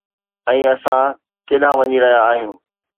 ۽ اسان ڪيڏانهن وڃي رهيا آهيون؟